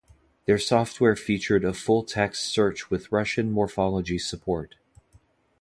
Their software featured a full-text search with Russian morphology support.